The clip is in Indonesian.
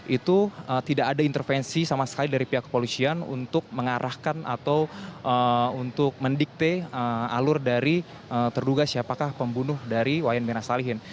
itu tidak ada intervensi sama sekali dari pihak kepolisian untuk mengarahkan atau untuk mendikte alur dari terduga siapakah pembunuh dari wayan mirna salihin